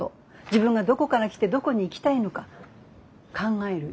自分がどこから来てどこに行きたいのか考える